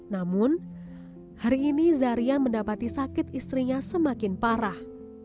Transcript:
namun hari ini zarian mendapati sakit istrinya semakin parah